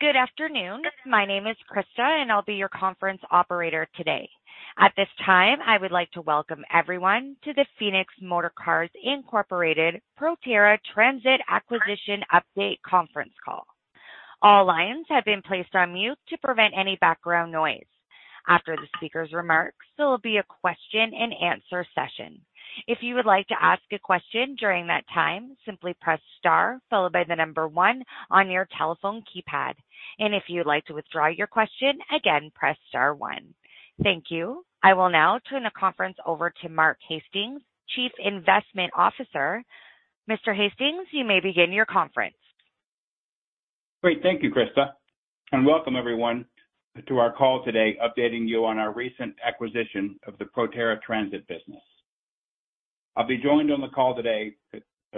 Good afternoon. My name is Krista, and I'll be your conference operator today. At this time, I would like to welcome everyone to the Phoenix Motorcars Incorporated Proterra Transit Acquisition Update conference call. All lines have been placed on mute to prevent any background noise. After the speaker's remarks, there will be a question and answer session. If you would like to ask a question during that time, simply press star, followed by the number one on your telephone keypad. If you'd like to withdraw your question, again, press star one. Thank you. I will now turn the conference over to Mark Hastings, Chief Investment Officer. Mr. Hastings, you may begin your conference. Great. Thank you, Krista, and welcome everyone to our call today, updating you on our recent acquisition of the Proterra Transit business. I'll be joined on the call today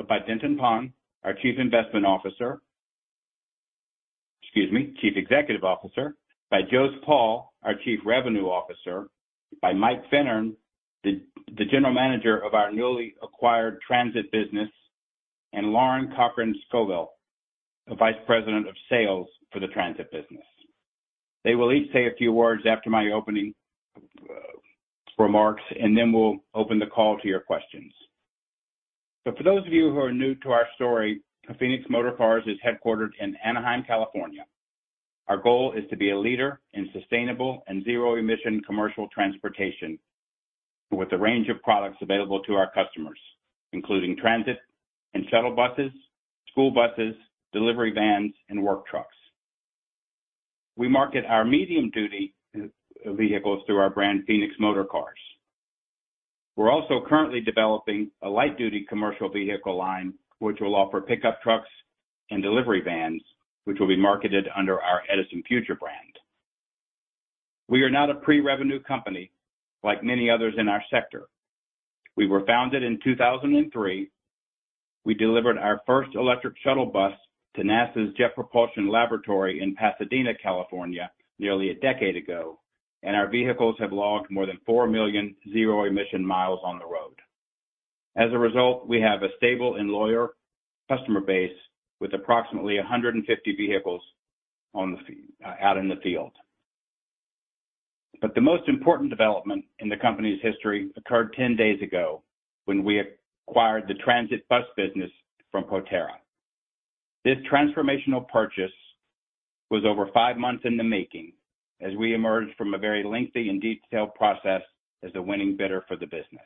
by Denton Peng, our Chief Investment Officer, excuse me, Chief Executive Officer, by Jose Paul, our Chief Revenue Officer, by Mike Finnern, the General Manager of our newly acquired transit business, and Lauren Cochran Scoville, the Vice President of Sales for the transit business. They will each say a few words after my opening remarks, and then we'll open the call to your questions. But for those of you who are new to our story, Phoenix Motorcars is headquartered in Anaheim, California. Our goal is to be a leader in sustainable and zero-emission commercial transportation, with a range of products available to our customers, including transit and shuttle buses, school buses, delivery vans, and work trucks. We market our medium-duty vehicles through our brand, Phoenix Motorcars. We're also currently developing a light-duty commercial vehicle line, which will offer pickup trucks and delivery vans, which will be marketed under our EdisonFuture brand. We are not a pre-revenue company like many others in our sector. We were founded in 2003. We delivered our first electric shuttle bus to NASA's Jet Propulsion Laboratory in Pasadena, California, nearly a decade ago, and our vehicles have logged more than 4 million zero-emission miles on the road. As a result, we have a stable and loyal customer base with approximately 150 vehicles out in the field. But the most important development in the company's history occurred ten days ago when we acquired the transit bus business from Proterra. This transformational purchase was over 5 months in the making as we emerged from a very lengthy and detailed process as the winning bidder for the business.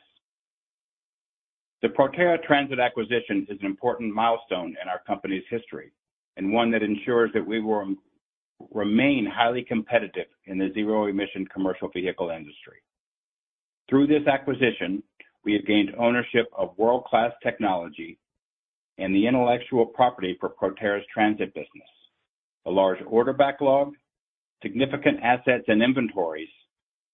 The Proterra Transit acquisition is an important milestone in our company's history and one that ensures that we will remain highly competitive in the zero-emission commercial vehicle industry. Through this acquisition, we have gained ownership of world-class technology and the intellectual property for Proterra's transit business, a large order backlog, significant assets and inventories,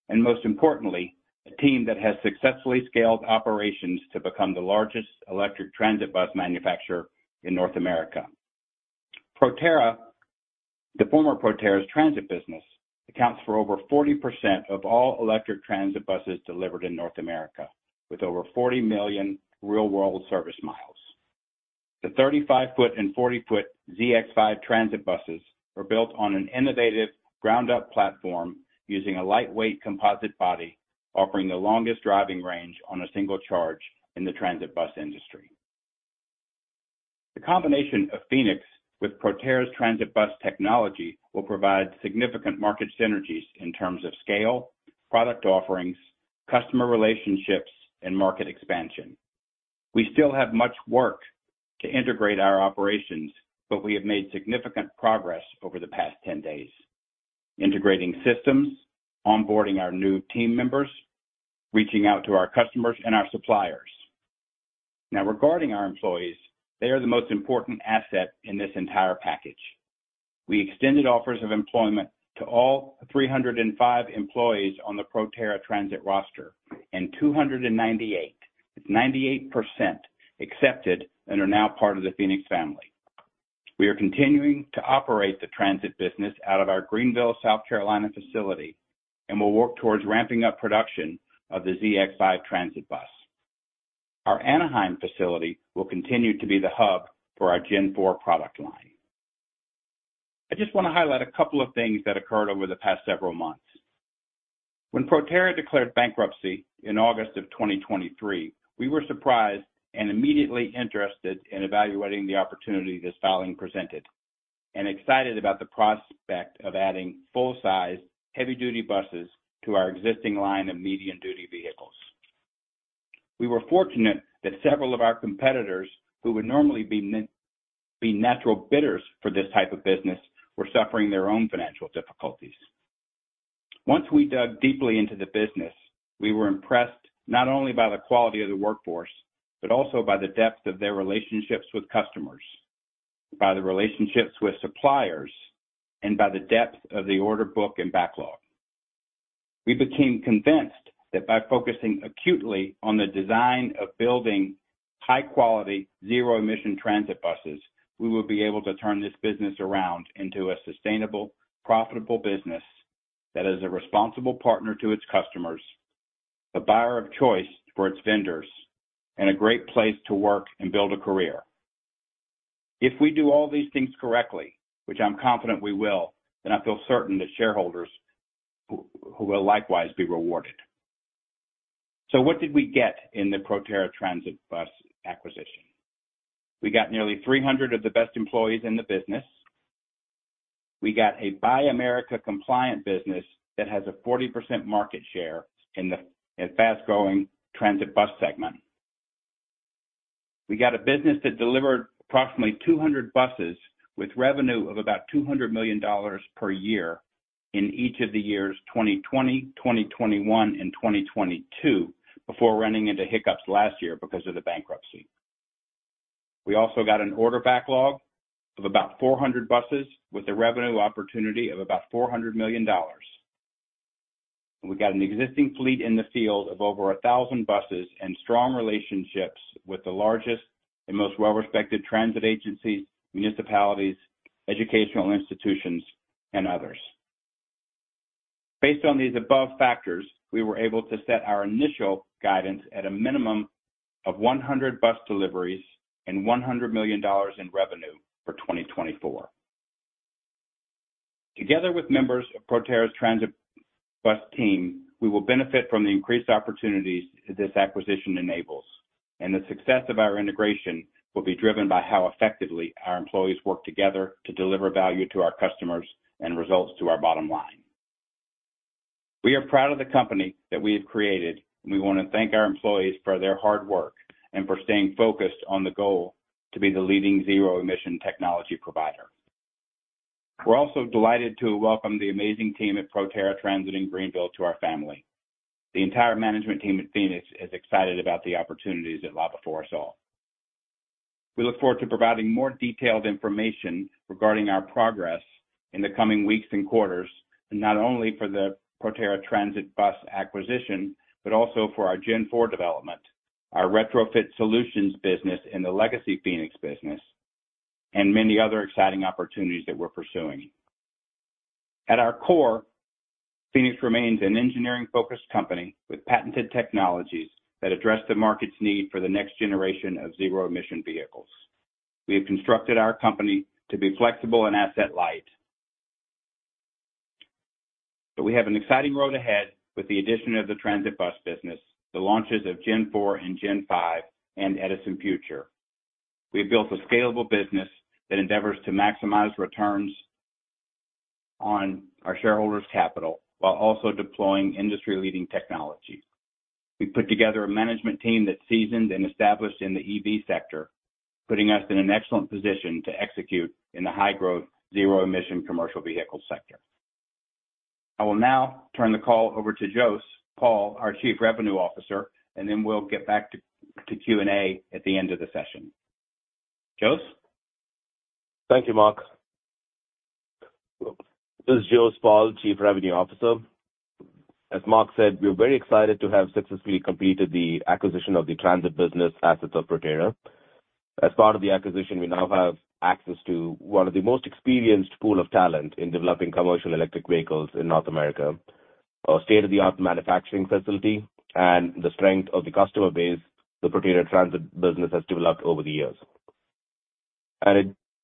and most importantly, a team that has successfully scaled operations to become the largest electric transit bus manufacturer in North America. Proterra, the former Proterra's transit business, accounts for over 40% of all electric transit buses delivered in North America, with over 40 million real-world service miles. The 35-foot and 40-foot ZX5 transit buses were built on an innovative ground-up platform using a lightweight composite body, offering the longest driving range on a single charge in the transit bus industry. The combination of Phoenix with Proterra's transit bus technology will provide significant market synergies in terms of scale, product offerings, customer relationships, and market expansion. We still have much work to integrate our operations, but we have made significant progress over the past 10 days, integrating systems, onboarding our new team members, reaching out to our customers and our suppliers. Now, regarding our employees, they are the most important asset in this entire package. We extended offers of employment to all 305 employees on the Proterra Transit roster, and 298, 98%, accepted and are now part of the Phoenix family. We are continuing to operate the transit business out of our Greenville, South Carolina, facility and will work towards ramping up production of the ZX5 transit bus. Our Anaheim facility will continue to be the hub for our Gen4 product line. I just want to highlight a couple of things that occurred over the past several months. When Proterra declared bankruptcy in August of 2023, we were surprised and immediately interested in evaluating the opportunity this filing presented and excited about the prospect of adding full-size, heavy-duty buses to our existing line of medium-duty vehicles. We were fortunate that several of our competitors, who would normally be natural bidders for this type of business, were suffering their own financial difficulties. Once we dug deeply into the business, we were impressed not only by the quality of the workforce, but also by the depth of their relationships with customers, by the relationships with suppliers, and by the depth of the order book and backlog. We became convinced that by focusing acutely on the design of building high-quality, zero-emission transit buses, we would be able to turn this business around into a sustainable, profitable business that is a responsible partner to its customers, the buyer of choice for its vendors and a great place to work and build a career. If we do all these things correctly, which I'm confident we will, then I feel certain the shareholders who will likewise be rewarded. So what did we get in the Proterra Transit bus acquisition? We got nearly 300 of the best employees in the business. We got a Buy America compliant business that has a 40% market share in the fast-growing transit bus segment. We got a business that delivered approximately 200 buses with revenue of about $200 million per year in each of the years, 2020, 2021, and 2022, before running into hiccups last year because of the bankruptcy. We also got an order backlog of about 400 buses, with a revenue opportunity of about $400 million. We got an existing fleet in the field of over a thousand buses and strong relationships with the largest and most well-respected transit agencies, municipalities, educational institutions, and others. Based on these above factors, we were able to set our initial guidance at a minimum of 100 bus deliveries and $100 million in revenue for 2024. Together with members of Proterra's transit bus team, we will benefit from the increased opportunities this acquisition enables, and the success of our integration will be driven by how effectively our employees work together to deliver value to our customers and results to our bottom line. We are proud of the company that we have created, and we want to thank our employees for their hard work and for staying focused on the goal to be the leading zero emission technology provider. We're also delighted to welcome the amazing team at Proterra Transit in Greenville to our family. The entire management team at Phoenix is excited about the opportunities that lie before us all. We look forward to providing more detailed information regarding our progress in the coming weeks and quarters, and not only for the Proterra Transit bus acquisition, but also for our Gen 4 development, our retrofit solutions business, and the legacy Phoenix business, and many other exciting opportunities that we're pursuing. At our core, Phoenix remains an engineering-focused company with patented technologies that address the market's need for the next generation of zero-emission vehicles. We have constructed our company to be flexible and asset light. But we have an exciting road ahead with the addition of the transit bus business, the launches of Gen 4 and Gen 5, and EdisonFuture. We've built a scalable business that endeavors to maximize returns on our shareholders' capital while also deploying industry-leading technology. We've put together a management team that's seasoned and established in the EV sector, putting us in an excellent position to execute in the high-growth, zero-emission commercial vehicle sector. I will now turn the call over to Jose Paul, our Chief Revenue Officer, and then we'll get back to Q&A at the end of the session. Jose? Thank you, Mark. This is Jose Paul, Chief Revenue Officer. As Mark said, we're very excited to have successfully completed the acquisition of the transit business assets of Proterra. As part of the acquisition, we now have access to one of the most experienced pool of talent in developing commercial electric vehicles in North America, a state-of-the-art manufacturing facility, and the strength of the customer base the Proterra Transit business has developed over the years.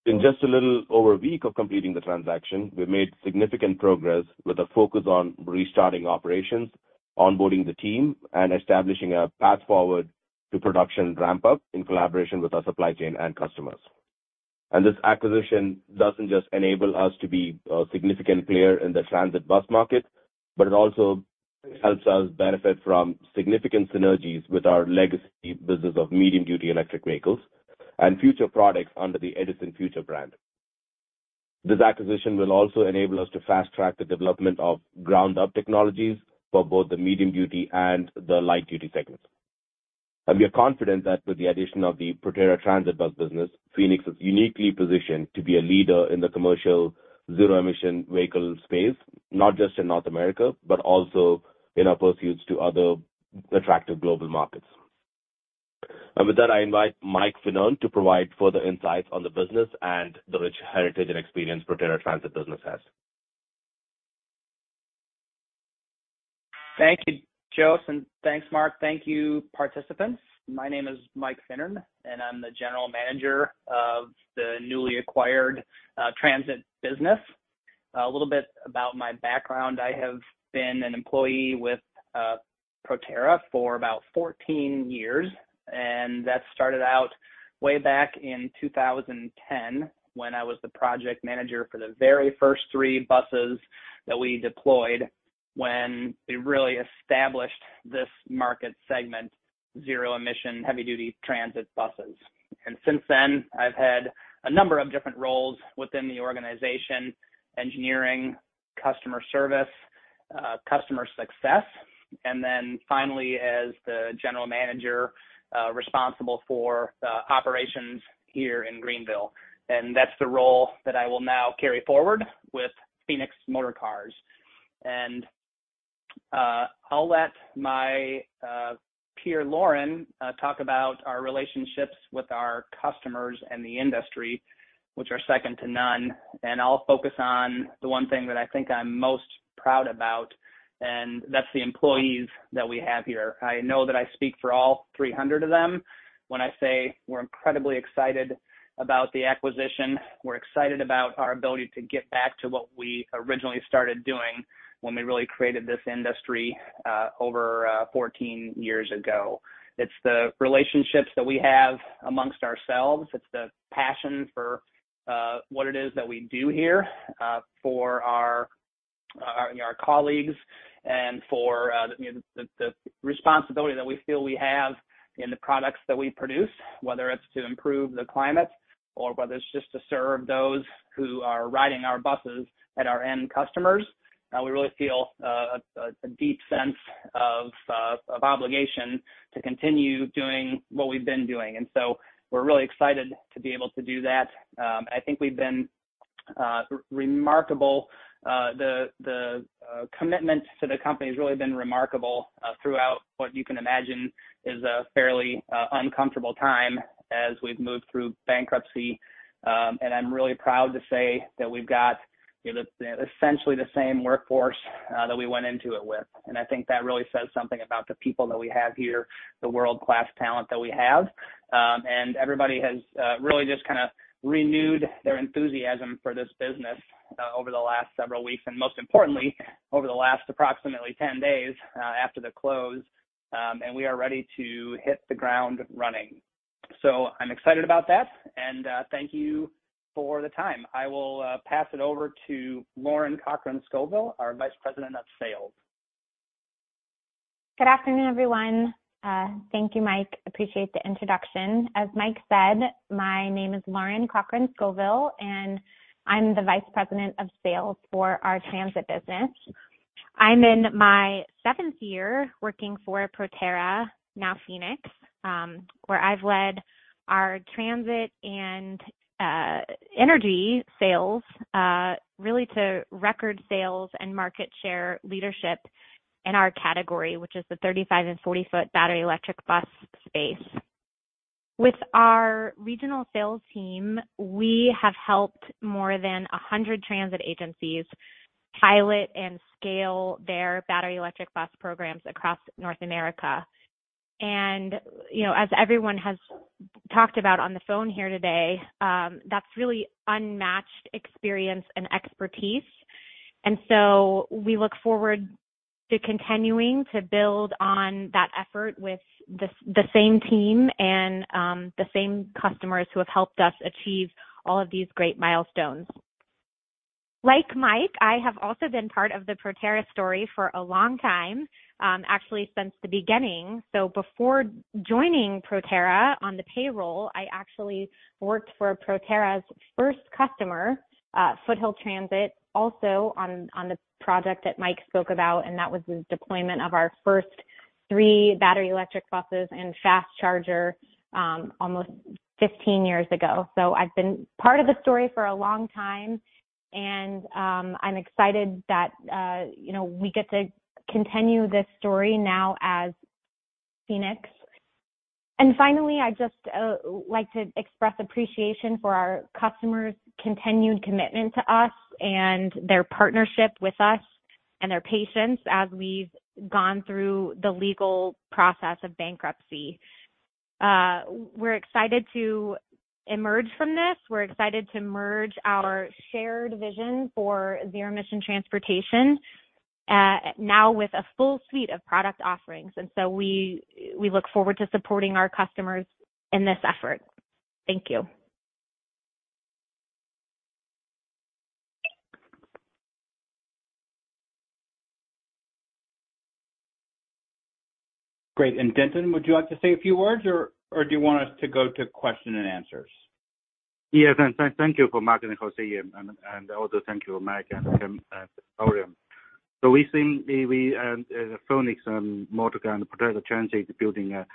In just a little over a week of completing the transaction, we've made significant progress with a focus on restarting operations, onboarding the team, and establishing a path forward to production ramp-up in collaboration with our supply chain and customers. This acquisition doesn't just enable us to be a significant player in the transit bus market, but it also helps us benefit from significant synergies with our legacy business of medium-duty electric vehicles and future products under the EdisonFuture brand. This acquisition will also enable us to fast-track the development of ground-up technologies for both the medium-duty and the light-duty segments. We are confident that with the addition of the Proterra Transit bus business, Phoenix is uniquely positioned to be a leader in the commercial zero-emission vehicle space, not just in North America, but also in our pursuits to other attractive global markets. With that, I invite Mike Finnern to provide further insights on the business and the rich heritage and experience Proterra Transit business has. Thank you, Jose, and thanks, Mark. Thank you, participants. My name is Mike Finnern, and I'm the general manager of the newly acquired transit business. A little bit about my background. I have been an employee with Proterra for about 14 years, and that started out way back in 2010 when I was the project manager for the very first 3 buses that we deployed when we really established this market segment, zero-emission, heavy-duty transit buses. And since then, I've had a number of different roles within the organization: engineering, customer service, customer success, and then finally, as the general manager responsible for the operations here in Greenville. And that's the role that I will now carry forward with Phoenix Motorcars. And, I'll let my... peer Lauren, talk about our relationships with our customers and the industry, which are second to none. I'll focus on the one thing that I think I'm most proud about, and that's the employees that we have here. I know that I speak for all 300 of them when I say we're incredibly excited about the acquisition. We're excited about our ability to get back to what we originally started doing when we really created this industry, over, 14 years ago. It's the relationships that we have amongst ourselves. It's the passion for what it is that we do here for our colleagues and for the responsibility that we feel we have in the products that we produce, whether it's to improve the climate or whether it's just to serve those who are riding our buses and our end customers. We really feel a deep sense of obligation to continue doing what we've been doing, and so we're really excited to be able to do that. I think we've been remarkable. The commitment to the company has really been remarkable throughout what you can imagine is a fairly uncomfortable time as we've moved through bankruptcy. And I'm really proud to say that we've got essentially the same workforce that we went into it with, and I think that really says something about the people that we have here, the world-class talent that we have. And everybody has really just kind of renewed their enthusiasm for this business over the last several weeks, and most importantly, over the last approximately 10 days after the close. And we are ready to hit the ground running. So I'm excited about that, and thank you for the time. I will pass it over to Lauren Cochran Scoville, our Vice President of Sales. Good afternoon, everyone. Thank you, Mike. Appreciate the introduction. As Mike said, my name is Lauren Cochran Scoville, and I'm the Vice President of Sales for our transit business. I'm in my seventh year working for Proterra, now Phoenix, where I've led our transit and energy sales really to record sales and market share leadership in our category, which is the 35- and 40-foot battery electric bus space. With our regional sales team, we have helped more than 100 transit agencies pilot and scale their battery electric bus programs across North America. And, you know, as everyone has talked about on the phone here today, that's really unmatched experience and expertise, and so we look forward to continuing to build on that effort with the same team and the same customers who have helped us achieve all of these great milestones. Like Mike, I have also been part of the Proterra story for a long time, actually since the beginning. So before joining Proterra on the payroll, I actually worked for Proterra's first customer, Foothill Transit, also on the project that Mike spoke about, and that was the deployment of our first three battery electric buses and fast charger, almost 15 years ago. So I've been part of the story for a long time, and, I'm excited that, you know, we get to continue this story now as Phoenix. And finally, I'd just like to express appreciation for our customers' continued commitment to us and their partnership with us and their patience as we've gone through the legal process of bankruptcy. We're excited to emerge from this. We're excited to merge our shared vision for zero-emission transportation, now with a full suite of product offerings, and so we, we look forward to supporting our customers in this effort. Thank you. Great. Denton, would you like to say a few words, or do you want us to go to question and answers? Yes, and thank you for Mark and Jose, and also thank you, Mike and Kim and Lauren. So we think we and Phoenix Motorcars and Proterra Transit is building a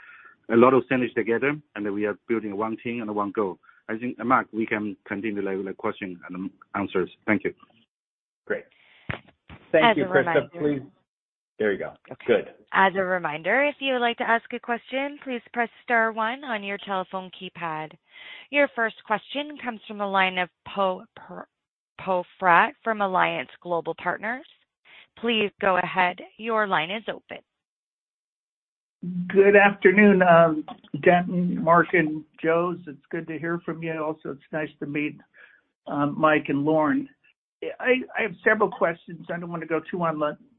lot of synergy together, and we are building one team and one goal. I think, Mark, we can continue with the question and answers. Thank you. Great. Thank you, Christopher, please. There we go. Good. As a reminder, if you would like to ask a question, please press star one on your telephone keypad. Your first question comes from the line of Poe Fratt from Alliance Global Partners. Please go ahead. Your line is open. Good afternoon, Denton, Mark, and Jose. It's good to hear from you. Also, it's nice to meet, Mike and Lauren. I have several questions. I don't want to go too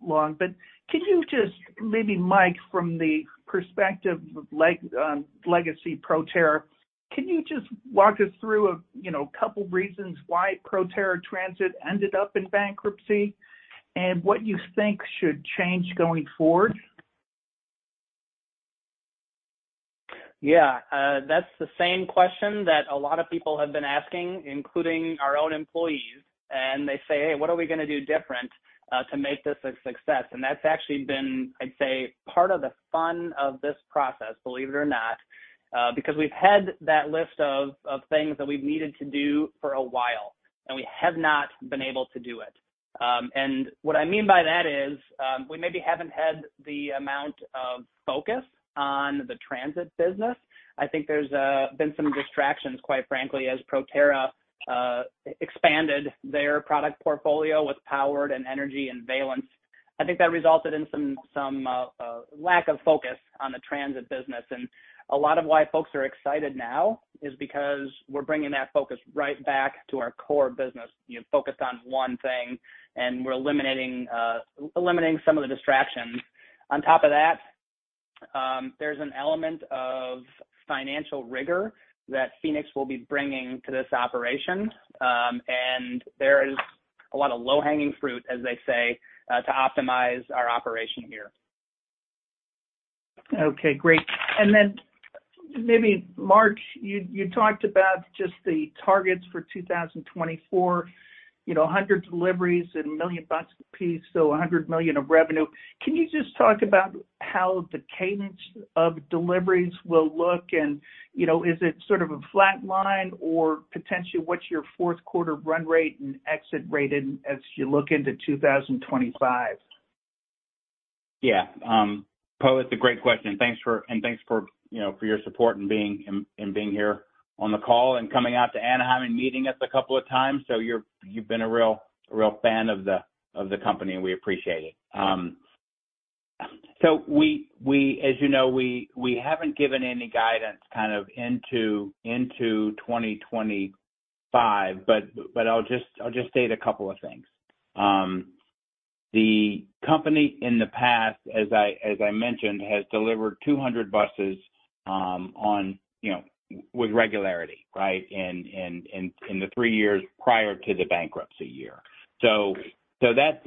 long, but can you just maybe, Mike, from the perspective of legacy Proterra, can you just walk us through a you know, couple reasons why Proterra Transit ended up in bankruptcy and what you think should change going forward? Yeah, that's the same question that a lot of people have been asking, including our own employees, and they say: "Hey, what are we gonna do different to make this a success?" And that's actually been, I'd say, part of the fun of this process, believe it or not, because we've had that list of things that we've needed to do for a while, and we have not been able to do it. And what I mean by that is, we maybe haven't had the amount of focus on the transit business. I think there's been some distractions, quite frankly, as Proterra expanded their product portfolio with powered and energy and valence. I think that resulted in some lack of focus on the transit business. A lot of why folks are excited now is because we're bringing that focus right back to our core business, you know, focused on one thing, and we're eliminating some of the distractions. On top of that, there's an element of financial rigor that Phoenix will be bringing to this operation. There is a lot of low-hanging fruit, as they say, to optimize our operation here. Okay, great. And then maybe Mark, you, you talked about just the targets for 2024, you know, 100 deliveries and $1 million a piece, so $100 million of revenue. Can you just talk about how the cadence of deliveries will look? And, you know, is it sort of a flat line or potentially, what's your fourth quarter run rate and exit rate as you look into 2025? Yeah. Poe, it's a great question, thanks for and thanks for, you know, for your support and being here on the call and coming out to Anaheim and meeting us a couple of times. So you've been a real fan of the company, and we appreciate it. So we, as you know, we haven't given any guidance kind of into 2025, but I'll just state a couple of things. The company in the past, as I mentioned, has delivered 200 buses, you know, with regularity, right? In the 3 years prior to the bankruptcy year. So that's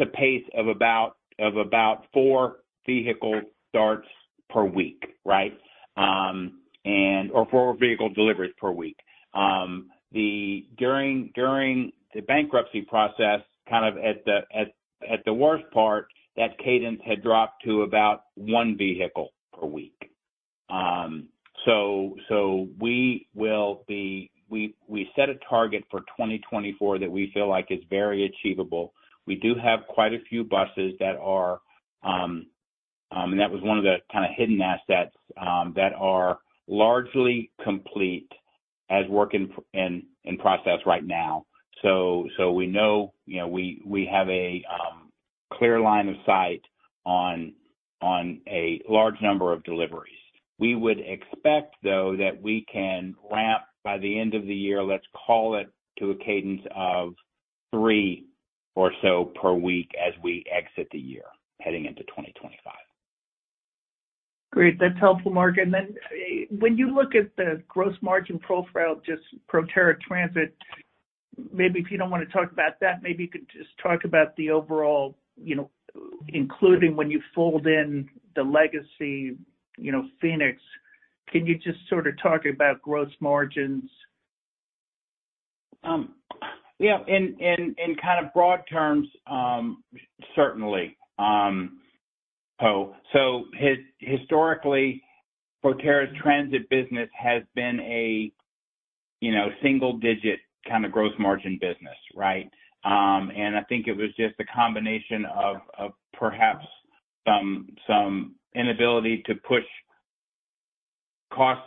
a pace of about 4 vehicle starts per week, right? And or 4 vehicle deliveries per week. During the bankruptcy process, kind of at the worst part, that cadence had dropped to about 1 vehicle per week. So we will be—we set a target for 2024 that we feel like is very achievable. We do have quite a few buses that are and that was one of the kind of hidden assets that are largely complete as work in process right now. So we know, you know, we have a clear line of sight on a large number of deliveries. We would expect, though, that we can ramp by the end of the year, let's call it, to a cadence of 3 or so per week as we exit the year, heading into 2025. Great. That's helpful, Mark. And then when you look at the gross margin profile, just Proterra Transit, maybe if you don't want to talk about that, maybe you could just talk about the overall, you know, including when you fold in the legacy, you know, Phoenix. Can you just sort of talk about gross margins? Yeah, in kind of broad terms, certainly, Poe. So historically, Proterra's transit business has been a, you know, single-digit kind of gross margin business, right? And I think it was just a combination of perhaps some inability to push costs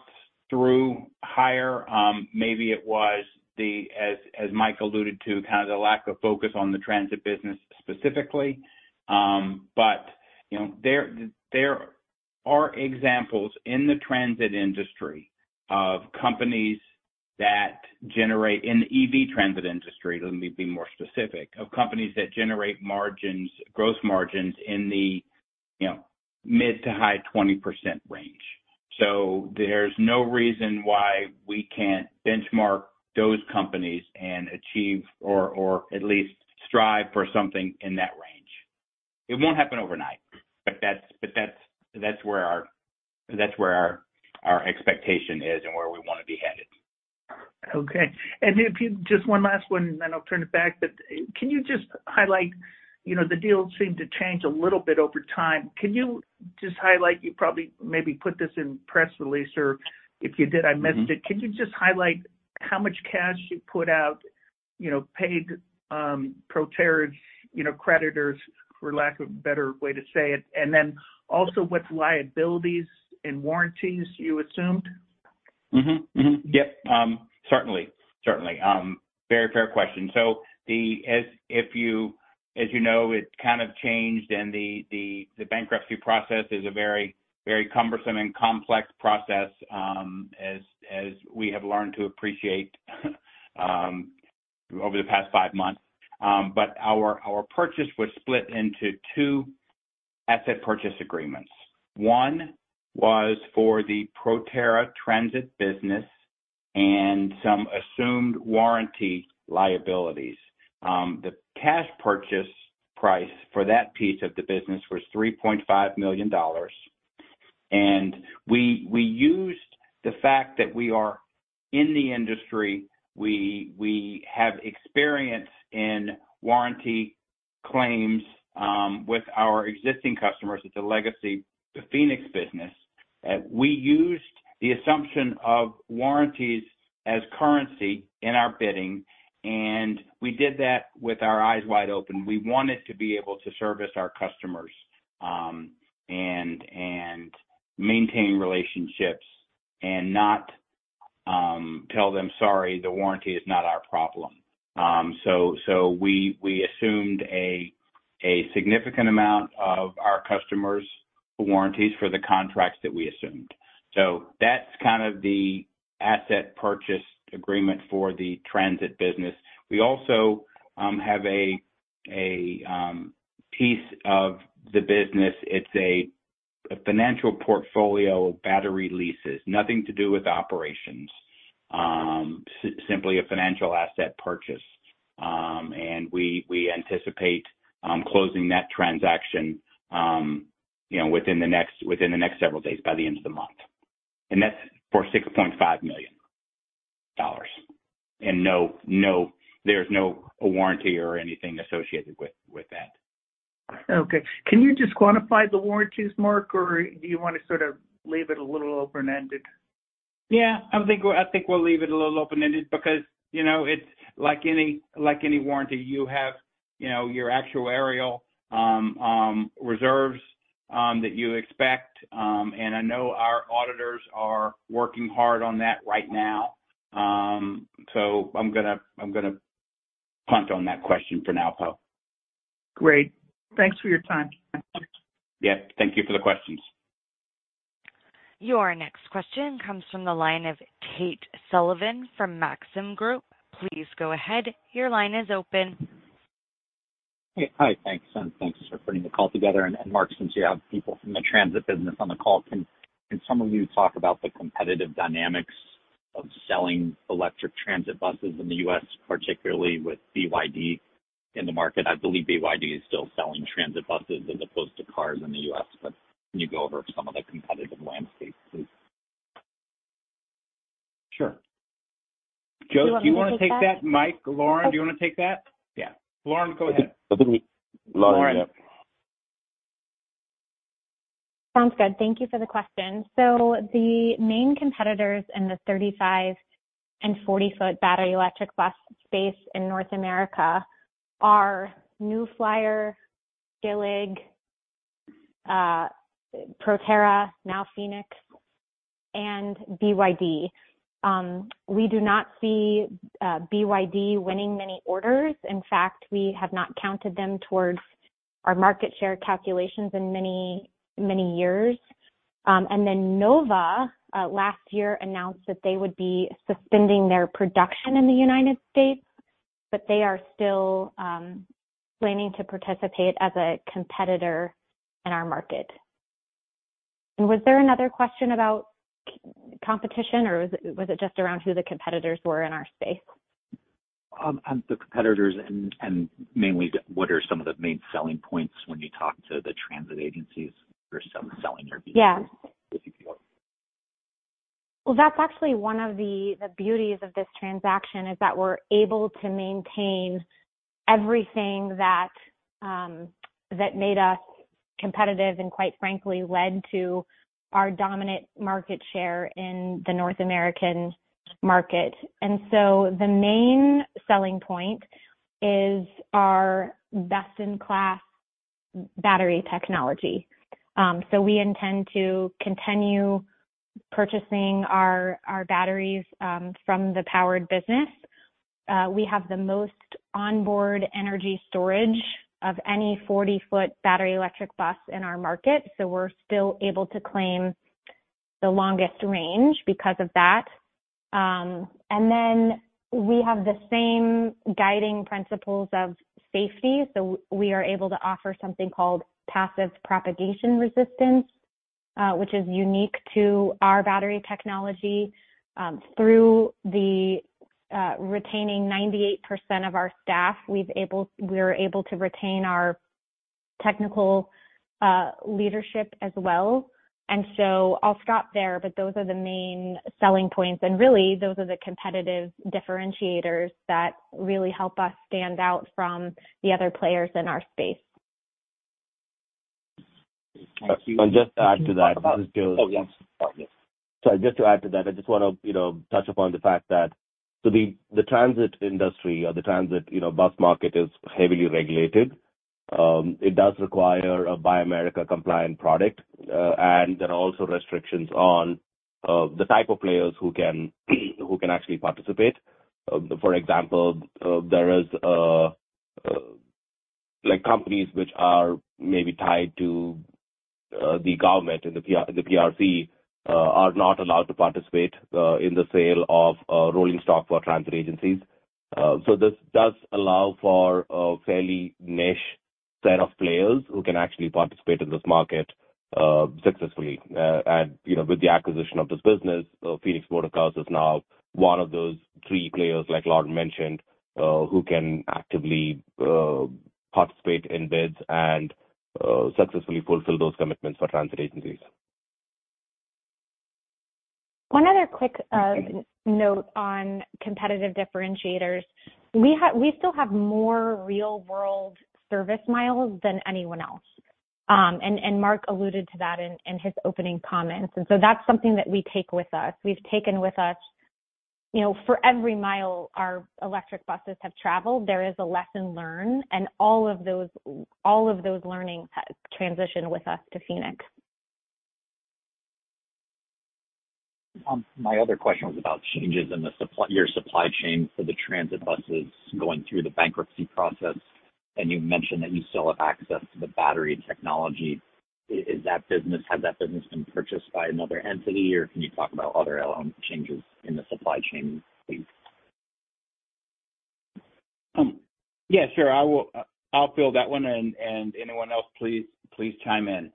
through higher. Maybe it was, as Mike alluded to, kind of the lack of focus on the transit business specifically. But, you know, there are examples in the transit industry of companies that generate, in the EV transit industry, let me be more specific, of companies that generate margins, gross margins in the, you know, mid- to high-20% range. So there's no reason why we can't benchmark those companies and achieve or at least strive for something in that range. It won't happen overnight, but that's where our expectation is and where we want to be headed. Okay. Just one last one, and then I'll turn it back. But can you just highlight, you know, the deal seemed to change a little bit over time. Can you just highlight, you probably maybe put this in press release, or if you did, I missed it. Mm-hmm. Can you just highlight how much cash you put out, you know, paid, Proterra's, you know, creditors, for lack of a better way to say it, and then also what liabilities and warranties you assumed? Certainly, certainly. Very fair question. So, as you know, it kind of changed, and the bankruptcy process is a very, very cumbersome and complex process, as we have learned to appreciate over the past five months. But our purchase was split into two asset purchase agreements. One was for the Proterra Transit business and some assumed warranty liabilities. The cash purchase price for that piece of the business was $3.5 million. And we used the fact that we are in the industry, we have experience in warranty claims with our existing customers. It's a legacy, the Phoenix business. We used the assumption of warranties as currency in our bidding, and we did that with our eyes wide open. We wanted to be able to service our customers, and maintain relationships and not tell them, "Sorry, the warranty is not our problem." So we assumed a significant amount of our customers' warranties for the contracts that we assumed. So that's kind of the asset purchase agreement for the transit business. We also have a piece of the business. It's a financial portfolio of battery leases, nothing to do with operations, simply a financial asset purchase. And we anticipate closing that transaction, you know, within the next several days, by the end of the month. And that's for $6.5 million. And no, no, there's no warranty or anything associated with that. Okay. Can you just quantify the warranties, Mark, or do you want to sort of leave it a little open-ended? Yeah, I think we'll leave it a little open-ended because, you know, it's like any, like any warranty you have, you know, your actuarial reserves that you expect. And I know our auditors are working hard on that right now. So I'm gonna, I'm gonna punt on that question for now, Poe. Great. Thanks for your time. Yeah. Thank you for the questions. Your next question comes from the line of Tate Sullivan from Maxim Group. Please go ahead. Your line is open. Hey. Hi, thanks, and thanks for putting the call together. And Mark, since you have people from the transit business on the call, can some of you talk about the competitive dynamics of selling electric transit buses in the U.S., particularly with BYD in the market? I believe BYD is still selling transit buses as opposed to cars in the U.S., but can you go over some of the competitive landscape, please? Sure. Jose, do you want to take that? Mike, Lauren, do you want to take that? Yeah, Lauren, go ahead. Lauren, yeah. Sounds good. Thank you for the question. So the main competitors in the 35- and 40-foot battery electric bus space in North America are New Flyer, Gillig, Proterra, now Phoenix, and BYD. We do not see BYD winning many orders. In fact, we have not counted them towards our market share calculations in many, many years. And then Nova last year announced that they would be suspending their production in the United States, but they are still planning to participate as a competitor in our market. And was there another question about competition, or was it just around who the competitors were in our space? The competitors and mainly what are some of the main selling points when you talk to the transit agencies for some selling or- Yeah. If you can. Well, that's actually one of the beauties of this transaction, is that we're able to maintain everything that that made us competitive and quite frankly, led to our dominant market share in the North American market. So the main selling point is our best-in-class battery technology. So we intend to continue purchasing our batteries from the powered business. We have the most onboard energy storage of any 40-foot battery electric bus in our market, so we're still able to claim the longest range because of that. And then we have the same guiding principles of safety, so we are able to offer something called passive propagation resistance, which is unique to our battery technology. Through retaining 98% of our staff, we're able to retain our technical leadership as well. I'll stop there, but those are the main selling points, and really, those are the competitive differentiators that really help us stand out from the other players in our space. Just to add to that... Oh, yes. Sorry. Just to add to that, I just want to, you know, touch upon the fact that so the transit industry or the transit bus market is heavily regulated. It does require a Buy America compliant product, and there are also restrictions on the type of players who can actually participate. For example, there is, like, companies which are maybe tied to the government and the PRC are not allowed to participate in the sale of rolling stock for transit agencies. So this does allow for a fairly niche set of players who can actually participate in this market successfully. And, you know, with the acquisition of this business, Phoenix Motorcars is now one of those three players, like Lauren mentioned, who can actively participate in bids and successfully fulfill those commitments for transit agencies. ...One other quick note on competitive differentiators. We have- we still have more real-world service miles than anyone else. And Mark alluded to that in his opening comments, and so that's something that we take with us. We've taken with us, you know, for every mile our electric buses have traveled, there is a lesson learned, and all of those learnings have transitioned with us to Phoenix. My other question was about changes in the supply, your supply chain for the transit buses going through the bankruptcy process. You mentioned that you still have access to the battery technology. Has that business been purchased by another entity, or can you talk about other changes in the supply chain, please? Yeah, sure. I will, I'll fill that one, and anyone else, please, chime in.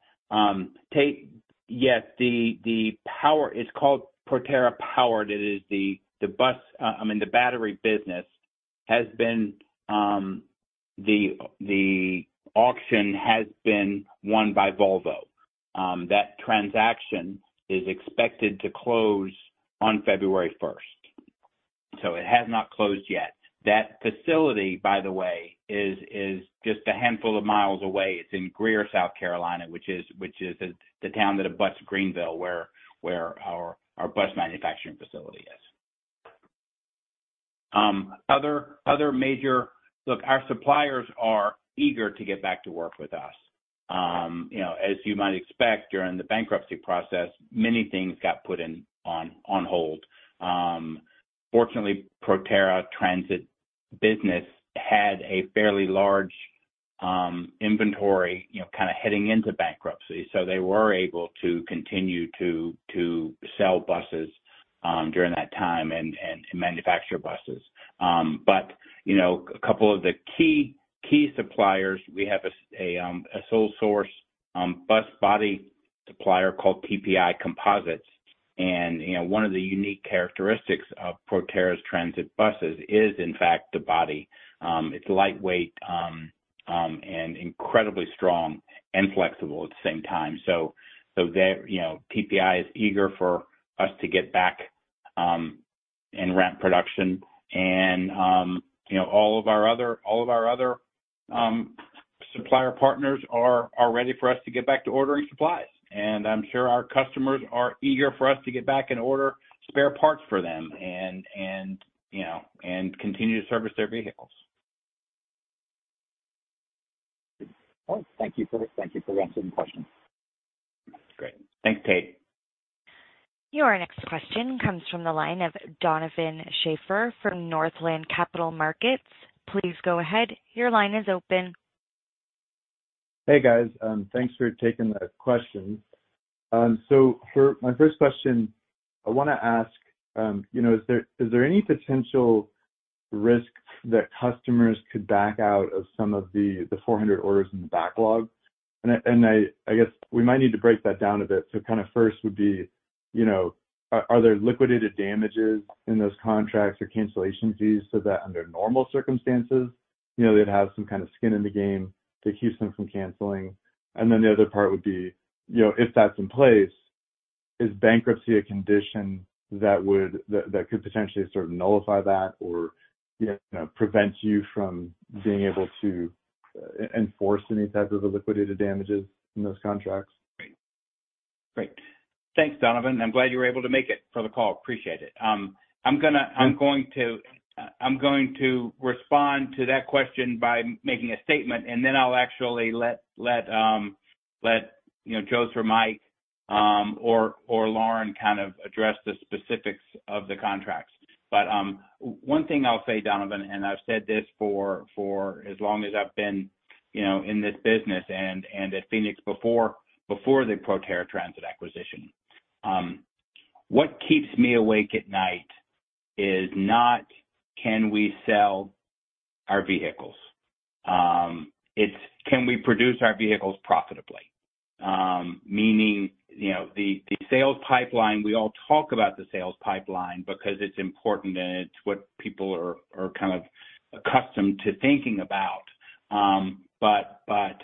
Tate, yes, the power it's called Proterra Powered. It is the bus, I mean, the battery business has been, the auction has been won by Volvo. That transaction is expected to close on February first. So it has not closed yet. That facility, by the way, is just a handful of miles away. It's in Greer, South Carolina, which is the town that abuts Greenville, where our bus manufacturing facility is. Look, our suppliers are eager to get back to work with us. You know, as you might expect, during the bankruptcy process, many things got put on hold. Fortunately, Proterra Transit business had a fairly large inventory, you know, kind of heading into bankruptcy, so they were able to continue to sell buses during that time and manufacture buses. But, you know, a couple of the key suppliers, we have a sole source bus body supplier called TPI Composites. And, you know, one of the unique characteristics of Proterra's transit buses is, in fact, the body. It's lightweight and incredibly strong and flexible at the same time. So they're, you know, TPI is eager for us to get back and ramp production and, you know, all of our other supplier partners are ready for us to get back to ordering supplies. I'm sure our customers are eager for us to get back and order spare parts for them, you know, and continue to service their vehicles. Well, thank you for, thank you for answering the question. Great. Thanks, Tate. Your next question comes from the line of Donovan Schafer from Northland Capital Markets. Please go ahead. Your line is open. Hey, guys, thanks for taking the questions. So for my first question, I want to ask, you know, is there any potential risk that customers could back out of some of the 400 orders in the backlog? And I guess we might need to break that down a bit. So kind of first would be, you know, are there liquidated damages in those contracts or cancellation fees so that under normal circumstances, you know, they'd have some kind of skin in the game to keep them from canceling? And then the other part would be, you know, if that's in place, is bankruptcy a condition that would that could potentially sort of nullify that or, you know, prevent you from being able to enforce any types of liquidated damages in those contracts? Great. Thanks, Donovan. I'm glad you were able to make it for the call. Appreciate it. I'm going to respond to that question by making a statement, and then I'll actually let you know, Jose or Mike, or Lauren kind of address the specifics of the contracts. But, one thing I'll say, Donovan, and I've said this for as long as I've been, you know, in this business and at Phoenix before the Proterra Transit acquisition. What keeps me awake at night is not, "Can we sell our vehicles?" It's, "Can we produce our vehicles profitably?" Meaning, you know, the sales pipeline, we all talk about the sales pipeline because it's important, and it's what people are kind of accustomed to thinking about. But, but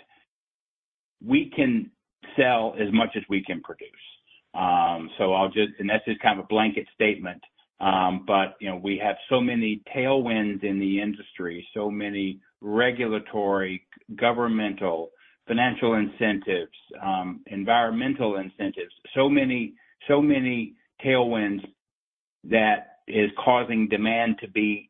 we can sell as much as we can produce. So I'll just and that's just kind of a blanket statement. But, you know, we have so many tailwinds in the industry, so many regulatory, governmental, financial incentives, environmental incentives, so many, so many tailwinds that is causing demand to be,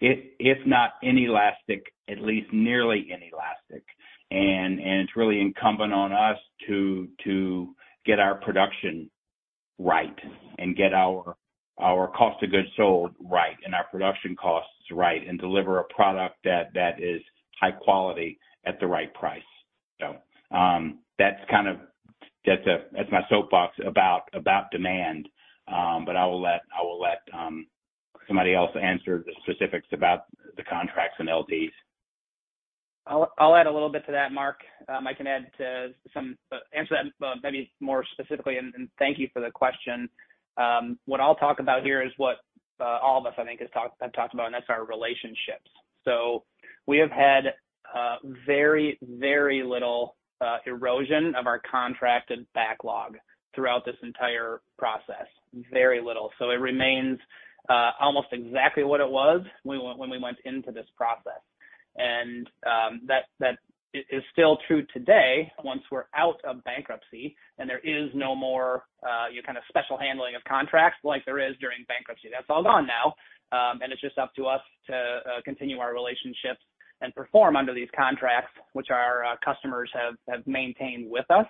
if, if not inelastic, at least nearly inelastic. And, and it's really incumbent on us to, to get our production right and get our, our cost of goods sold right and our production costs right, and deliver a product that, that is high quality at the right price. So, that's kind of that's, that's my soapbox about, about demand. But I will let, I will let, somebody else answer the specifics about the contracts and LDs. I'll add a little bit to that, Mark. I can add to some answer that maybe more specifically, and thank you for the question. What I'll talk about here is what all of us, I think, have talked about, and that's our relationships. So we have had-... very, very little erosion of our contracted backlog throughout this entire process. Very little. So it remains almost exactly what it was when we went into this process. And that is still true today once we're out of bankruptcy and there is no more, you know, kind of special handling of contracts like there is during bankruptcy. That's all gone now, and it's just up to us to continue our relationships and perform under these contracts, which our customers have maintained with us.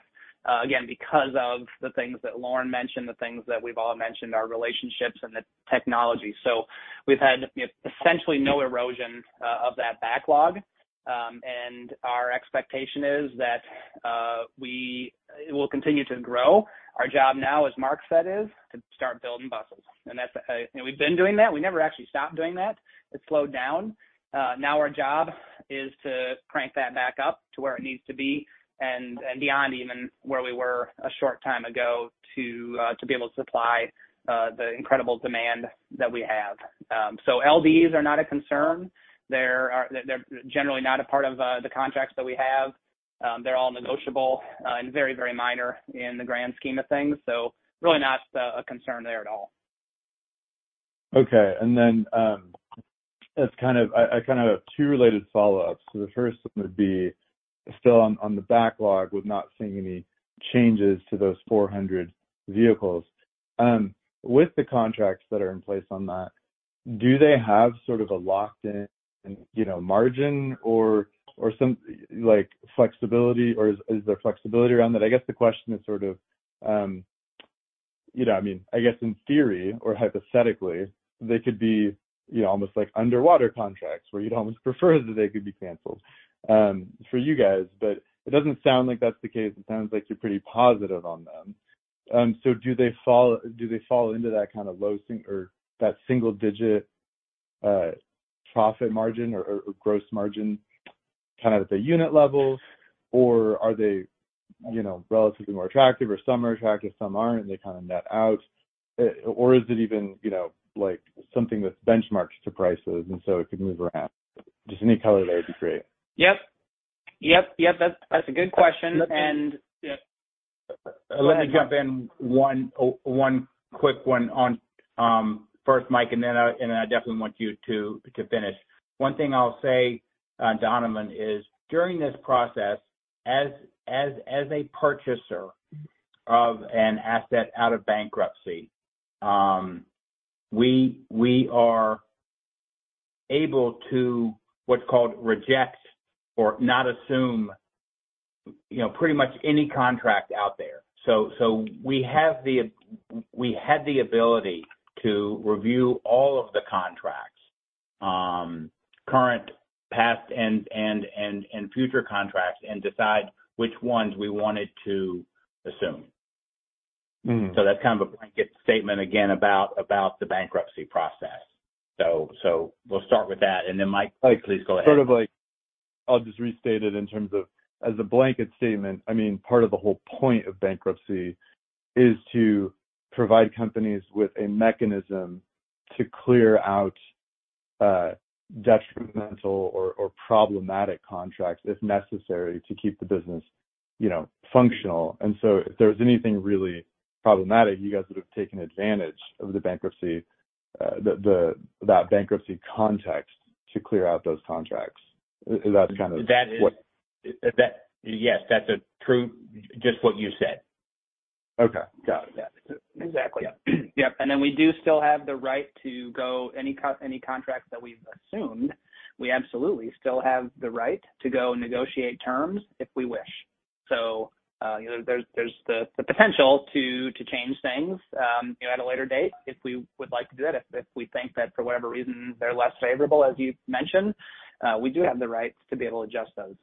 Again, because of the things that Lauren mentioned, the things that we've all mentioned, our relationships and the technology. So we've had, you know, essentially no erosion of that backlog. And our expectation is that it will continue to grow. Our job now, as Mark said, is to start building buses, and that's... You know, we've been doing that. We never actually stopped doing that. It slowed down. Now our job is to crank that back up to where it needs to be and, and beyond even where we were a short time ago, to, to be able to supply the incredible demand that we have. So LDs are not a concern. They're, they're generally not a part of the contracts that we have. They're all negotiable, and very, very minor in the grand scheme of things, so really not a concern there at all. Okay. And then, I kind of have two related follow-ups. So the first would be still on the backlog, with not seeing any changes to those 400 vehicles. With the contracts that are in place on that, do they have sort of a locked-in, you know, margin or some, like, flexibility, or is there flexibility around that? I guess the question is sort of, you know, I mean, I guess in theory or hypothetically, they could be, you know, almost like underwater contracts, where you'd almost prefer that they could be canceled, for you guys, but it doesn't sound like that's the case. It sounds like you're pretty positive on them. So, do they fall into that kind of low single-digit profit margin or gross margin kind of at the unit level? Or are they, you know, relatively more attractive, or some are attractive, some aren't, and they kind of net out? Or is it even, you know, like something that's benchmarked to prices, and so it can move around? Just any color there would be great. Yep. Yep, yep, that's, that's a good question. Let me- And, yeah. Let me jump in one quick one on first, Mike, and then I definitely want you to finish. One thing I'll say, Donovan, is during this process, as a purchaser of an asset out of bankruptcy, we are able to, what's called reject or not assume, you know, pretty much any contract out there. So we had the ability to review all of the contracts, current, past, and future contracts, and decide which ones we wanted to assume. Mm-hmm. So that's kind of a blanket statement, again, about the bankruptcy process. So we'll start with that, and then, Mike- Right. Please go ahead. Sort of like, I'll just restate it in terms of as a blanket statement, I mean, part of the whole point of bankruptcy is to provide companies with a mechanism to clear out, detrimental or problematic contracts, if necessary, to keep the business, you know, functional. And so if there was anything really problematic, you guys would have taken advantage of the bankruptcy, that bankruptcy context to clear out those contracts. Is that kind of what- That, yes, that's true, just what you said. Okay. Got it. Yeah. Exactly. Yeah. Yep, and then we do still have the right to go into any contracts that we've assumed. We absolutely still have the right to go negotiate terms if we wish. So, you know, there's the potential to change things, you know, at a later date if we would like to do that. If we think that for whatever reason they're less favorable, as you've mentioned, we do have the right to be able to adjust those.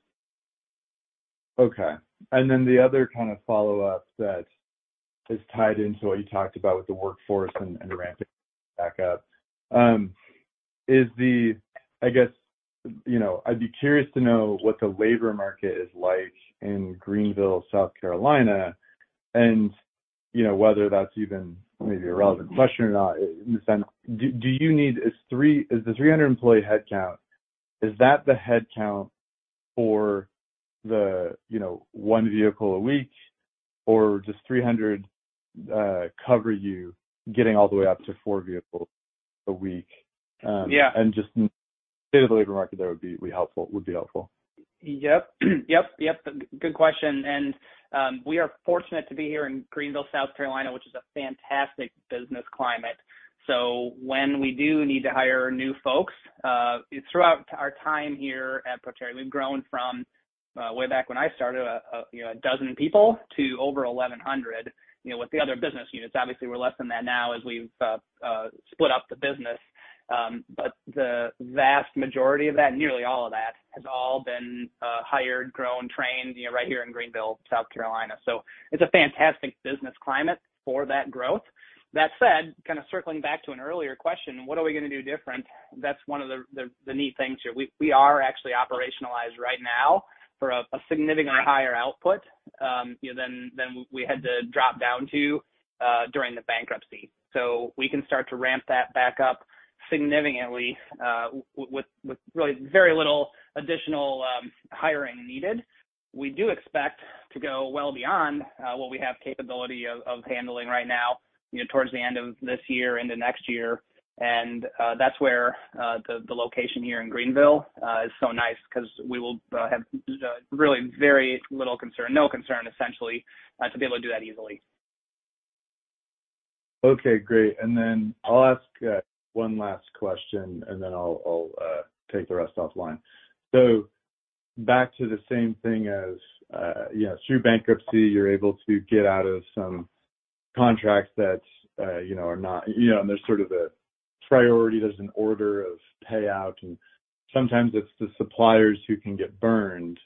Okay. And then the other kind of follow-up that is tied into what you talked about with the workforce and ramping back up is the... I guess, you know, I'd be curious to know what the labor market is like in Greenville, South Carolina, and, you know, whether that's even maybe a relevant question or not, in the sense, do you need... Is the 300 employee headcount the headcount for the one vehicle a week or just 300 cover you getting all the way up to four vehicles a week? Yeah. And just state of the labor market there would be helpful. Yep. Yep, yep, good question, and we are fortunate to be here in Greenville, South Carolina, which is a fantastic business climate. So when we do need to hire new folks, throughout our time here at Proterra, we've grown from way back when I started, 12 people to over 1,100, you know, with the other business units. Obviously, we're less than that now as we've split up the business. But the vast majority of that, nearly all of that, has all been hired, grown, trained, you know, right here in Greenville, South Carolina. So it's a fantastic business climate for that growth. That said, kind of circling back to an earlier question, what are we going to do different? That's one of the neat things here. We are actually operationalized right now for a significantly higher output, you know, than we had to drop down to during the bankruptcy. So we can start to ramp that back up significantly with really very little additional hiring needed. We do expect to go well beyond what we have capability of handling right now, you know, towards the end of this year into next year. That's where the location here in Greenville is so nice because we will have really very little concern, no concern essentially to be able to do that easily. Okay, great. And then I'll ask one last question, and then I'll take the rest offline. So back to the same thing as you know, through bankruptcy, you're able to get out of some contracts that you know are not you know, and there's sort of a priority, there's an order of payout, and sometimes it's the suppliers who can get burned.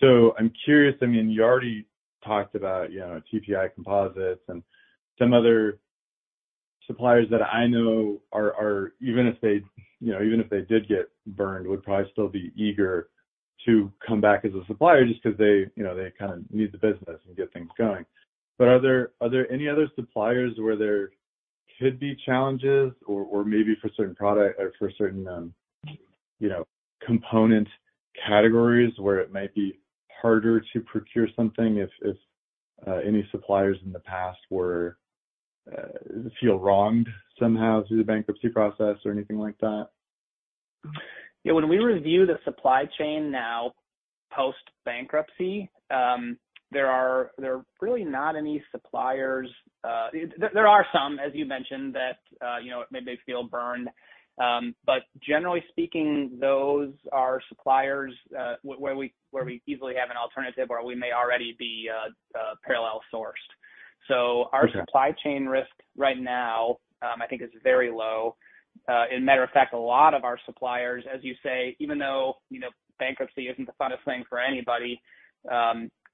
So I'm curious, I mean, you already talked about you know, TPI Composites and some other suppliers that I know are even if they you know, even if they did get burned, would probably still be eager to come back as a supplier just because they you know, they kind of need the business and get things going. But are there any other suppliers where there could be challenges or maybe for certain product or for certain, you know, component categories where it might be harder to procure something if any suppliers in the past were feel wronged somehow through the bankruptcy process or anything like that? Yeah, when we review the supply chain now, post-bankruptcy, there are really not any suppliers. There are some, as you mentioned, that you know, maybe feel burned. But generally speaking, those are suppliers where we easily have an alternative or we may already be parallel sourced. Okay. So our supply chain risk right now, I think, is very low. And matter of fact, a lot of our suppliers, as you say, even though, you know, bankruptcy isn't the funnest thing for anybody,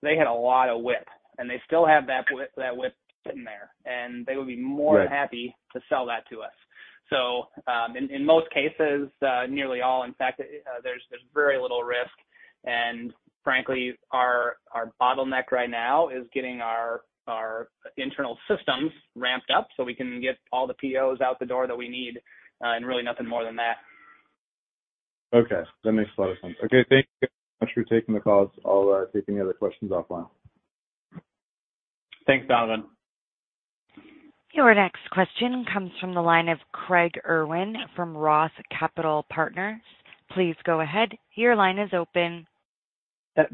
they had a lot of WIP, and they still have that WIP, that WIP sitting there, and they would be- Right... more than happy to sell that to us. So, in most cases, nearly all, in fact, there's very little risk. And frankly, our bottleneck right now is getting our internal systems ramped up so we can get all the POs out the door that we need, and really nothing more than that. Okay, that makes a lot of sense. Okay, thank you much for taking the calls. I'll take any other questions offline. Thanks, Donovan. Your next question comes from the line of Craig Irwin from Roth Capital Partners. Please go ahead. Your line is open.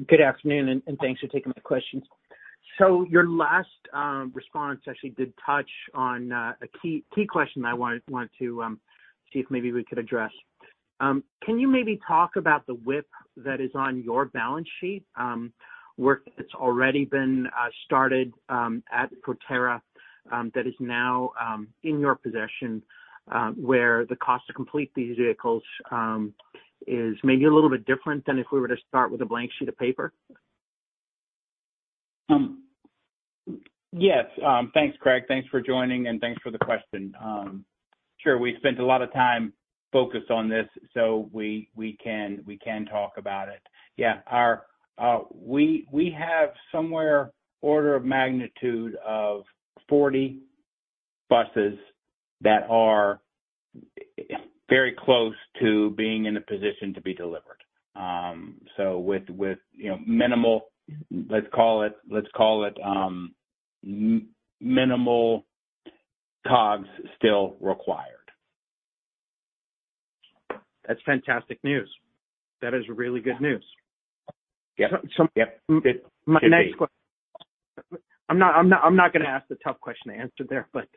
Good afternoon, and thanks for taking my questions. So your last response actually did touch on a key question I wanted to see if maybe we could address. Can you maybe talk about the WIP that is on your balance sheet, work that's already been started at Proterra that is now in your possession, where the cost to complete these vehicles is maybe a little bit different than if we were to start with a blank sheet of paper? Yes. Thanks, Craig. Thanks for joining, and thanks for the question. Sure, we spent a lot of time focused on this, so we can talk about it. Yeah, our, we have somewhere order of magnitude of 40 buses that are very close to being in a position to be delivered. So with, with, you know, minimal, let's call it, let's call it, minimal COGS still required. That's fantastic news. That is really good news. Yep. Yep. I'm not gonna ask the tough question to answer there, but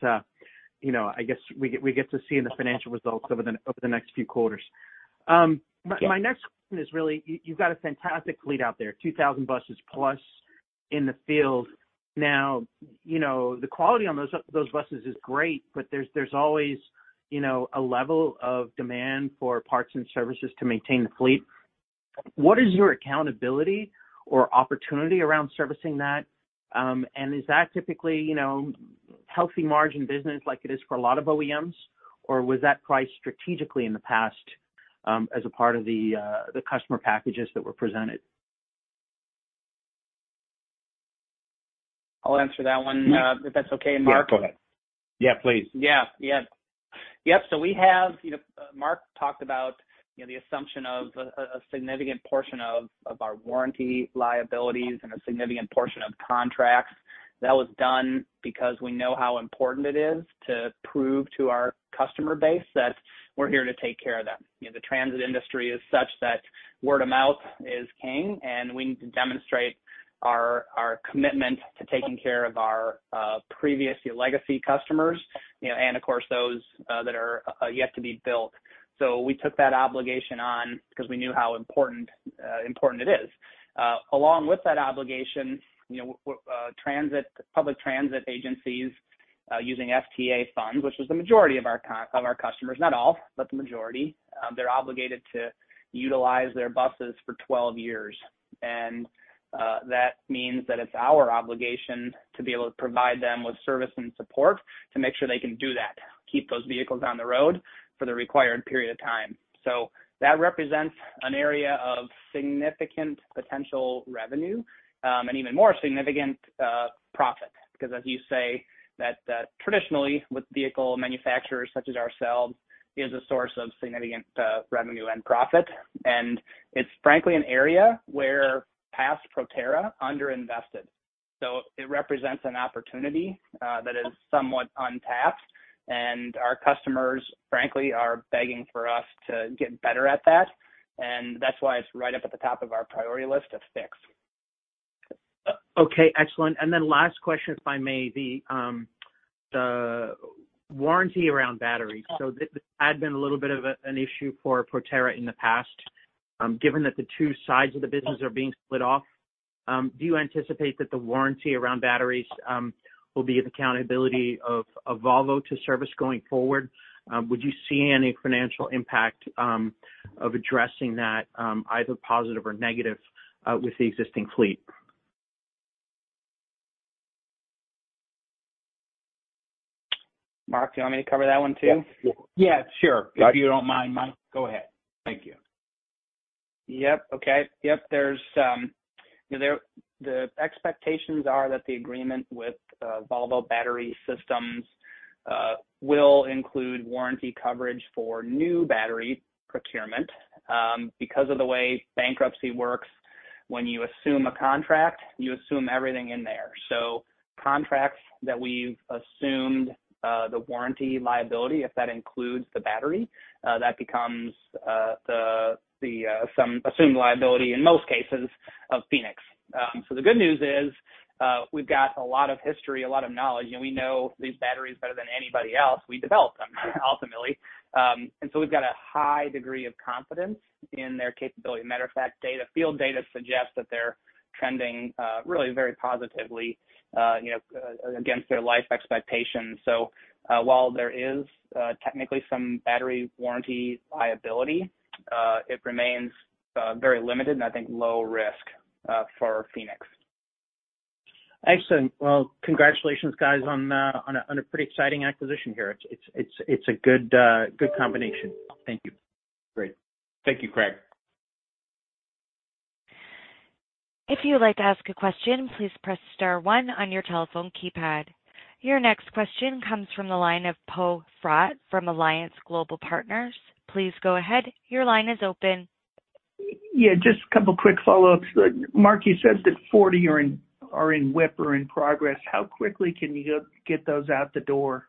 you know, I guess we get to see in the financial results over the next few quarters. Yeah. My next question is really, you've got a fantastic fleet out there, 2,000 buses plus in the field. Now, you know, the quality on those buses is great, but there's always, you know, a level of demand for parts and services to maintain the fleet. What is your accountability or opportunity around servicing that? And is that typically, you know, healthy margin business like it is for a lot of OEMs, or was that priced strategically in the past, as a part of the customer packages that were presented? I'll answer that one, if that's okay, Mark. Yeah, go ahead. Yeah, please. Yeah. Yeah. Yep, so we have... You know, Mark talked about, you know, the assumption of a significant portion of our warranty liabilities and a significant portion of contracts. That was done because we know how important it is to prove to our customer base that we're here to take care of them. You know, the transit industry is such that word of mouth is king, and we need to demonstrate our commitment to taking care of our previous legacy customers, you know, and of course, those that are yet to be built. So we took that obligation on because we knew how important it is. Along with that obligation, you know, public transit agencies using FTA funds, which was the majority of our customers, not all, but the majority, they're obligated to utilize their buses for 12 years. That means that it's our obligation to be able to provide them with service and support to make sure they can do that, keep those vehicles on the road for the required period of time. So that represents an area of significant potential revenue and even more significant profit, because as you say, that traditionally, with vehicle manufacturers such as ourselves... is a source of significant revenue and profit. It's frankly an area where past Proterra underinvested. So it represents an opportunity, that is somewhat untapped, and our customers, frankly, are begging for us to get better at that, and that's why it's right up at the top of our priority list to fix. Okay, excellent. And then last question, if I may, the warranty around batteries. So this had been a little bit of an issue for Proterra in the past. Given that the two sides of the business are being split off, do you anticipate that the warranty around batteries will be of accountability of Volvo to service going forward? Would you see any financial impact of addressing that, either positive or negative, with the existing fleet? Mark, do you want me to cover that one, too? Yeah, sure. If you don't mind, Mike, go ahead. Thank you. Yep, okay. Yep, there's the expectations are that the agreement with Volvo Battery Systems will include warranty coverage for new battery procurement. Because of the way bankruptcy works, when you assume a contract, you assume everything in there. So contracts that we've assumed, the warranty liability, if that includes the battery, that becomes, the, the, some assumed liability in most cases of Phoenix. So the good news is, we've got a lot of history, a lot of knowledge, and we know these batteries better than anybody else. We developed them, ultimately. And so we've got a high degree of confidence in their capability. Matter of fact, field data suggests that they're trending, really very positively, you know, against their life expectations. While there is technically some battery warranty liability, it remains very limited and I think low risk for Phoenix. Excellent. Well, congratulations, guys, on a pretty exciting acquisition here. It's a good combination. Thank you. Great. Thank you, Craig. If you'd like to ask a question, please press star one on your telephone keypad. Your next question comes from the line of Poe Fratt from Alliance Global Partners. Please go ahead. Your line is open. Yeah, just a couple quick follow-ups. Mark, you said that 40 are in, are in WIP or in progress. How quickly can you go get those out the door?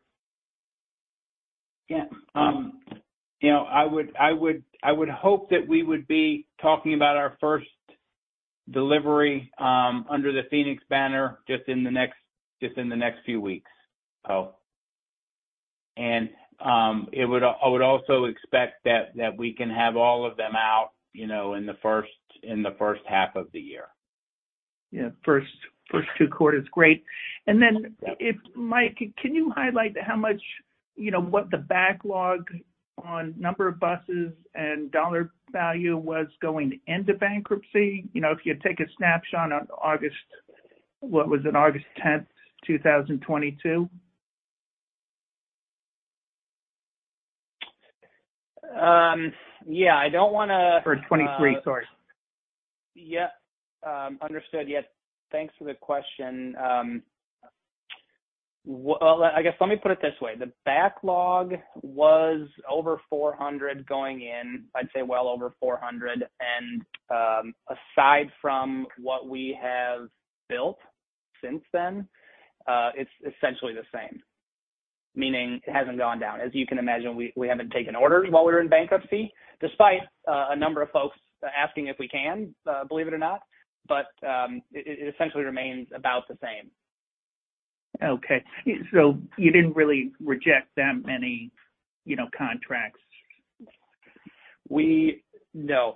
Yeah, you know, I would hope that we would be talking about our first delivery under the Phoenix banner, just in the next few weeks, Poe. And I would also expect that we can have all of them out, you know, in the first half of the year. Yeah, first two quarters. Great. And then if, Mike, can you highlight how much, you know, what the backlog on number of buses and dollar value was going into bankruptcy? You know, if you take a snapshot on August, what was it? August tenth, 2022. Yeah, I don't want to- For 2023, sorry. Yeah, understood. Yes, thanks for the question. Well, I guess let me put it this way. The backlog was over 400 going in. I'd say well over 400, and, aside from what we have built since then, it's essentially the same. Meaning it hasn't gone down. As you can imagine, we haven't taken orders while we were in bankruptcy, despite, a number of folks asking if we can, believe it or not. But, it essentially remains about the same. Okay, so you didn't really reject that many, you know, contracts? No.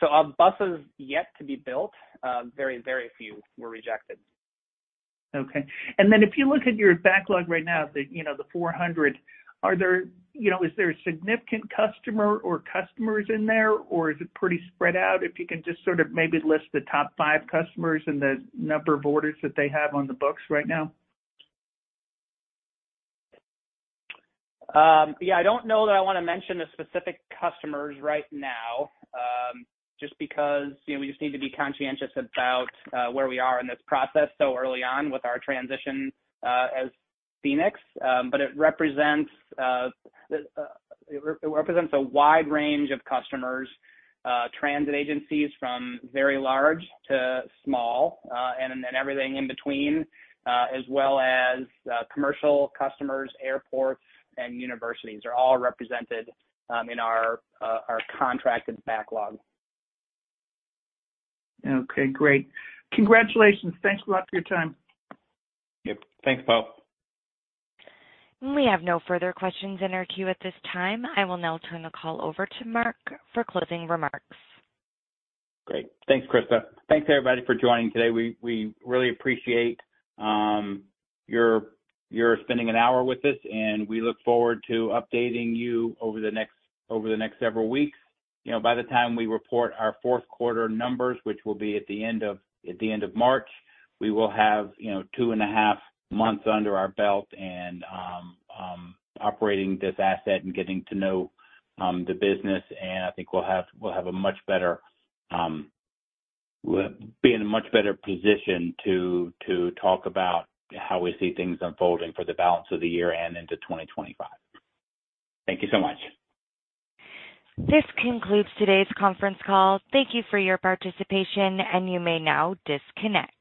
So our buses yet to be built, very, very few were rejected. Okay. And then if you look at your backlog right now, the, you know, the 400, are there- you know, is there a significant customer or customers in there, or is it pretty spread out? If you can just sort of maybe list the top five customers and the number of orders that they have on the books right now. Yeah, I don't know that I want to mention the specific customers right now, just because, you know, we just need to be conscientious about where we are in this process so early on with our transition as Phoenix. But it represents a wide range of customers, transit agencies from very large to small, and then everything in between, as well as commercial customers, airports, and universities are all represented in our contracted backlog. Okay, great. Congratulations. Thanks a lot for your time. Yep. Thanks, Poe. We have no further questions in our queue at this time. I will now turn the call over to Mark for closing remarks. Great. Thanks, Krista. Thanks, everybody, for joining today. We really appreciate your spending an hour with us, and we look forward to updating you over the next several weeks. You know, by the time we report our fourth quarter numbers, which will be at the end of March, we will have, you know, two and a half months under our belt and operating this asset and getting to know the business, and I think we'll have a much better—we'll be in a much better position to talk about how we see things unfolding for the balance of the year and into 2025. Thank you so much. This concludes today's conference call. Thank you for your participation, and you may now disconnect.